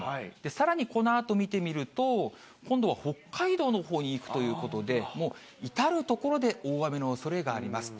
さらにこのあと見てみると、今度は北海道のほうに行くということで、至る所で大雨のおそれがあります。